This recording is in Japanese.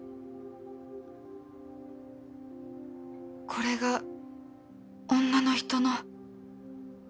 これが女の人の